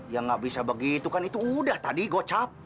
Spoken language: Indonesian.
ya nggak bisa begitu kan itu udah tadi gocap